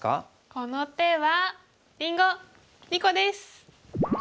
この手はりんご２個です！